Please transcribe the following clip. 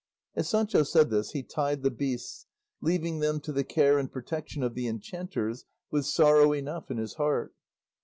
As Sancho said this, he tied the beasts, leaving them to the care and protection of the enchanters with sorrow enough in his heart.